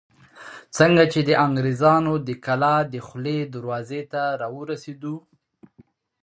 څنګه چې د انګرېزانو د کلا دخولي دروازې ته راورسېدو.